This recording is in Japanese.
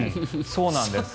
そうなんです。